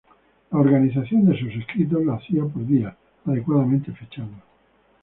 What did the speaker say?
La organización de sus escritos la hacía por días, adecuadamente fechados.